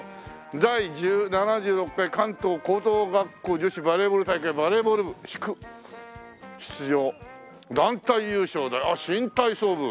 「第７６回関東高等学校女子バレーボール大会バレーボール部祝出場」団体優勝だあっ新体操部。